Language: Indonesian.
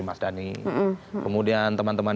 mas dhani kemudian teman teman